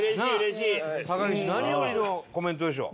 高岸何よりのコメントでしょ。